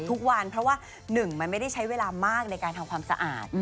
ทุกวันเพราะว่า๑มันไม่ได้ใช้เวลามากในการทำความสะอาด